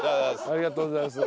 ありがとうございます。